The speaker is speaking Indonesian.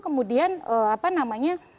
kemudian apa namanya